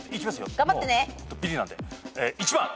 頑張ってね。